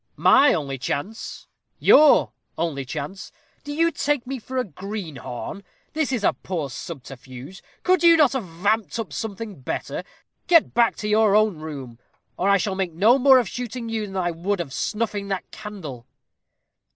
"My only chance your only chance. Do you take me for a greenhorn? This is a poor subterfuge; could you not have vamped up something better? Get back to your own room, or I shall make no more of shooting you than I would of snuffing that candle."